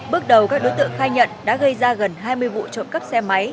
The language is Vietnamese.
bước đầu các đối tượng khai nhận đã gây ra gần hai mươi vụ trộm cắp xe máy